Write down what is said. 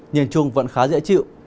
nhìn chung vẫn khá dễ chịu